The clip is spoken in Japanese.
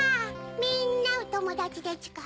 みんなおともだちでちゅか？